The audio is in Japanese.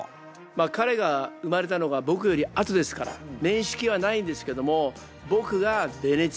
まあ彼が生まれたのが僕より後ですから面識はないんですけども。